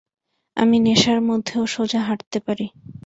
আমি নেশার মধ্যেও সোজা হাঁটতে পারি।